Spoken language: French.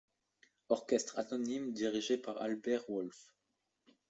Orchestre anonyme dirigé par Albert Wolff.